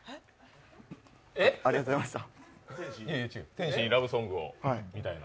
「天使にラブソングを」みたいな。